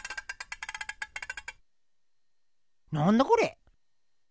なんだこれ？